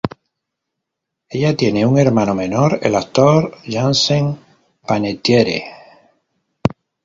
Ella tiene un hermano menor, el actor Jansen Panettiere.